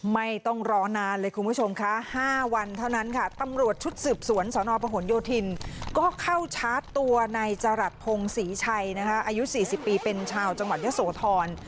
ไม่ต้องรอนานเลยคุณผู้ชมคะ๕วันเท่านั้นค่ะตำรวจชุดสืบสวนสนประหลโยธินก็เข้าชาร์จตัวในจรัสพงศรีชัยนะคะอายุ๔๐ปีเป็นชาวจังหวัดเยอะโสธร